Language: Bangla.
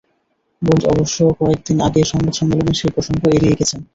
বোল্ট অবশ্য কয়েক দিন আগে সংবাদ সম্মেলনে সেই প্রসঙ্গ এড়িয়ে গেছেন।